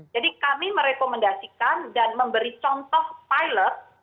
jadi kami merekomendasikan dan memberi contoh pilot